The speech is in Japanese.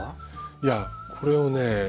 いやこれをね